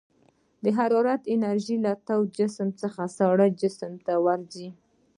د حرارتي انرژي له تود جسم څخه ساړه جسم ته ورځي.